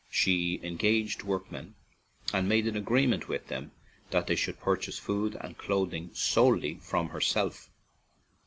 She engaged workmen and made an agreement with them that they should purchase food and clothing solely from herself.